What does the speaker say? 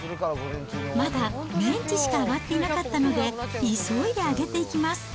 まだメンチしか揚がっていなかったので、急いで揚げていきます。